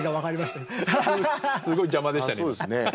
すごい邪魔でしたね。